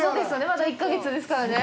まだ１か月ですからね。